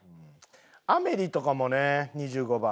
『アメリ』とかもね２５番。